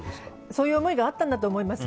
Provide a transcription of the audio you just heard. そういう思いがあったんだと思います。